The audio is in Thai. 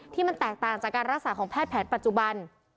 ที่มันแตกต่างจากการรักษาของแพทย์แผนปัจจุบัน